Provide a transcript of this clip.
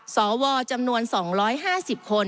สวจำนวน๒๕๐คน